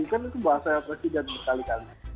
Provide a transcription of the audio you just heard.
kan itu bahasa presiden sekali kan